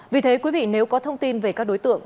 vì thế quý vị nếu có thông tin về các đối tượng